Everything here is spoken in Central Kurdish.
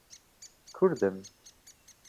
کوردم.